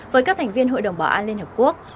với các thành viên hội đồng bảo an liên hợp quốc